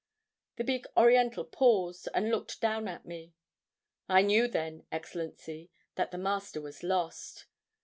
The big Oriental paused, and looked down at me. "I knew then, Excellency, that the Master was lost!